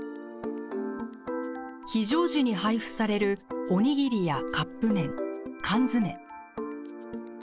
非常時に配布されるおにぎりやカップ麺、缶詰。